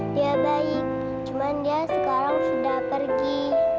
dia baik cuman dia sekarang sudah pergi